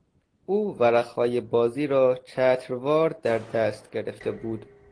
او ورقهای بازی را چتروار در دست گرفته بود.